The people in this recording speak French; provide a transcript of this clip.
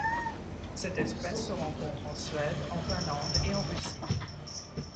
Cette espèce se rencontre en Suède, en Finlande et en Russie.